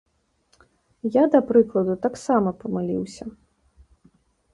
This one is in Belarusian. Я, да прыкладу, таксама памыліўся.